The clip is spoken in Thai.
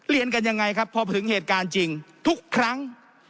เรียนกันยังไงครับพอถึงเหตุการณ์จริงทุกครั้ง